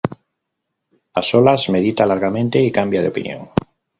A solas, medita largamente y cambia de opinión.